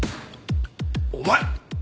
お前